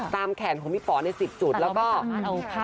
ตามแขนของพี่ป๋อใน๑๐จุดแล้วก็เอเราก็ถามมา